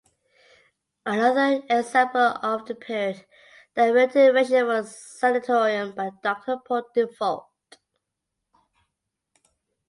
Another example of the period that merited mention was "Sanitorium" by Doctor Paul Dufault.